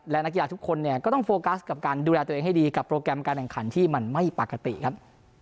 และนักกีฬาทุกคนเนี่ยก็ต้องโฟกัสกับการดูแลตัวเองให้ดีกับโปรแกรมการแข่งขันที่มันไม่ปกติครับ